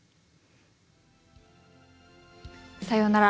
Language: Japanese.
さようなら。